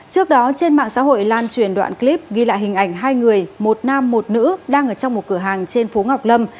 trước đó trên mạng xã hội lan truyền đoạn clip ghi lại hình ảnh hai người một nam một nữ đang ở trong một cửa hàng trên phố ngọc lâm